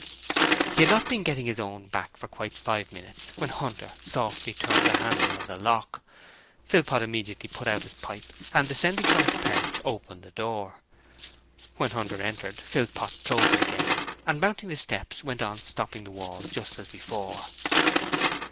He had not been getting his own back for quite five minutes when Hunter softly turned the handle of the lock. Philpot immediately put out his pipe and descending from his perch opened the door. When Hunter entered Philpot closed it again and, mounting the steps, went on stripping the wall just above.